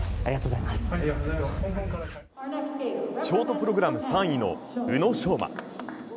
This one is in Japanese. ショートプログラム３位の宇野昌磨。